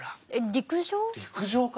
陸上から？